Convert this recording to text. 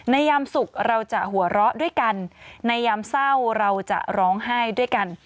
ยามสุขเราจะหัวเราะด้วยกันในยามเศร้าเราจะร้องไห้ด้วยกัน